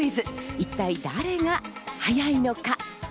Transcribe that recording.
一体誰が速いのか？